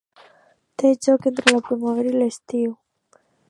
Té lloc entre la primavera i l'estiu.